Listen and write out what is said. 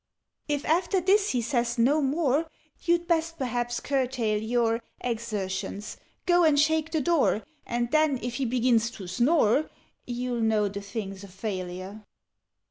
"If after this he says no more, You'd best perhaps curtail your Exertions go and shake the door, And then, if he begins to snore, You'll know the thing's a failure.